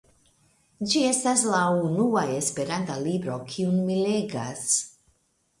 Ĝi estas la unua esperanta libro kiun mi legas.